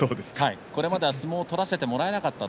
これまでは相撲を取らせてもらえなかった。